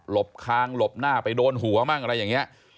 บคางหลบหน้าไปโดนหัวมั่งอะไรอย่างนี้